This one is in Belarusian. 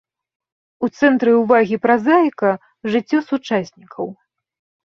У цэнтры ўвагі празаіка жыццё сучаснікаў.